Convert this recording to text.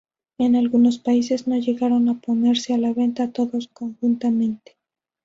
En algunos países no llegaron a ponerse a la venta todas conjuntamente.